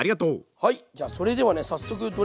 はい！